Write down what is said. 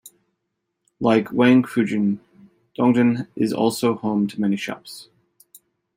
Like Wangfujing, Dongdan is also home to many shops.